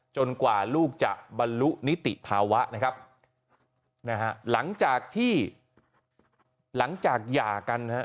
จนกว่าลูกจะบรรลุนิติภาวะหลังจากหย่ากัน